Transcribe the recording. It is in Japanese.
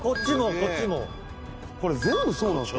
「これ全部そうなんですか？